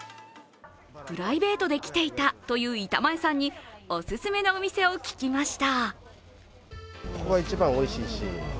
プライベートで来ていたという板前さんにおすすめのお店を聞きました。